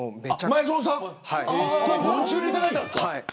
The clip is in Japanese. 前園さんもいただいたんですか。